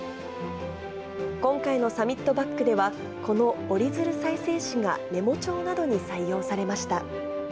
今回のサミットバッグではこのおりづる再生紙がメモ帳などに採用されました。